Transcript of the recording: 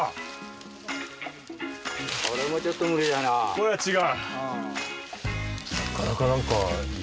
これは違う。